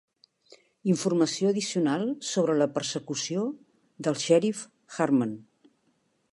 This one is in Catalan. Informació addicional sobre la persecució del Sheriff Hartman.